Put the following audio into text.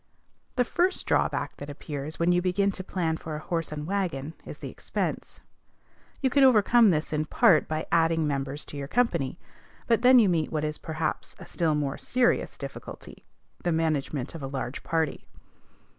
The first drawback that appears, when you begin to plan for a horse and wagon, is the expense. You can overcome this in part by adding members to your company; but then you meet what is perhaps a still more serious difficulty, the management of a large party.